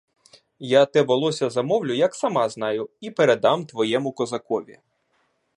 Я те волосся замовлю, як сама знаю, і передам твоєму козакові.